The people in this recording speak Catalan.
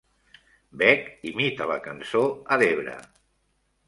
Beck imita la cançó a "Debra".